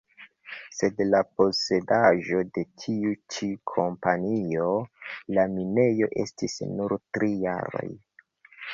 Sed la posedaĵo de tiu ĉi kompanio la minejo estis nur tri jaroj.